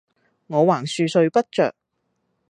我橫豎睡不着，